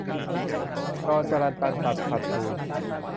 จรจรัลตันตัดพลัดพลู